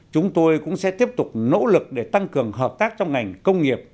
chúng tôi cũng sẽ tiếp tục nỗ lực để tăng cường hợp tác trong ngành công nghiệp